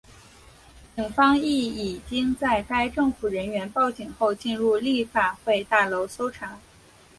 警方亦已经在该政府人员报警后进入立法会大楼搜查。